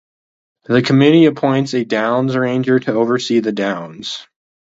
The committee appoints a Downs Ranger to oversee the Downs.